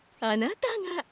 あなたが。